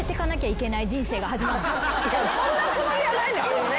そんなつもりはないんだけどね